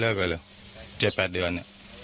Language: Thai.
ละลาญเลยเจ็ดแปดเดือน